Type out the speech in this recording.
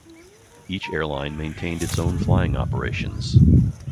Each airline maintained is own flying operations.